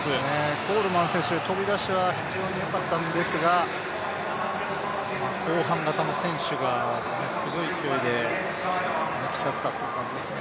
コールマン選手、飛び出しはすごいよかったんですが、後半型の選手がすごい勢いで抜き去ったという感じですね。